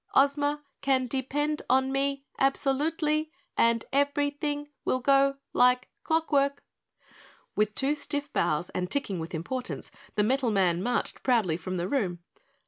"Oz ma can de pend on me ab so lute ly and ev e ry thing will go like clock work." With two stiff bows and ticking with importance, the metal man marched proudly from the room.